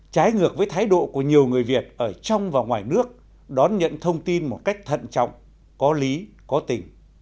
trái ngược với thái độ của nhiều người việt ở trong và ngoài nước đón nhận thông tin một cách thận trọng có lý có tình